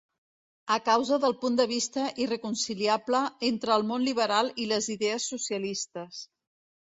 A causa del punt de vista irreconciliable entre el món liberal i les idees socialistes.